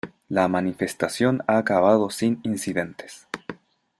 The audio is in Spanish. La manifestación ha acabado sin incidentes.